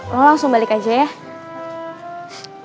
oh langsung balik aja ya